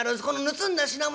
盗んだ品物